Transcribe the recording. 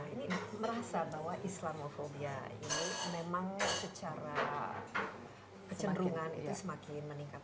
ini merasa bahwa islamofobia ini memang secara kecenderungan itu semakin meningkat